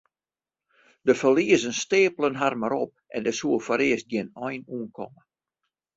De ferliezen steapelen har mar op en dêr soe foarearst gjin ein oan komme.